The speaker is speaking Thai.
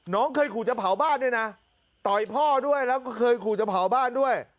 เคยขู่จะเผาบ้านด้วยนะต่อยพ่อด้วยแล้วก็เคยขู่จะเผาบ้านด้วย